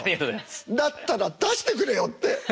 だったら出してくれよって。